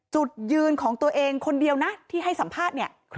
จุดยืนของตัวเองคนเดียวนะที่ให้สัมภาษณ์เนี่ย